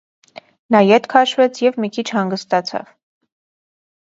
Նա ետ քաշվեց և մի քիչ հանգստացավ: